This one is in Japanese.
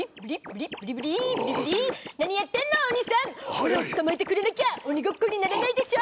オラを捕まえてくれなきゃ鬼ごっこにならないでしょ。